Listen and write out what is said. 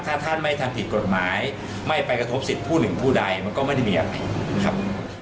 ถ้าท่านไม่ทำผิดกฎหมายไม่ไปกระทบสิทธิ์ผู้หนึ่งผู้ใดมันก็ไม่ได้มีอะไรนะครับ